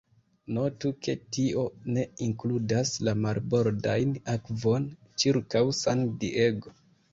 Notu ke tio ne inkludas la marbordajn akvon ĉirkaŭ San Diego.